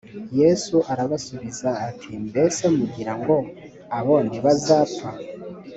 yesu arabasubiza ati mbese mugira ngo abo ntibazapfa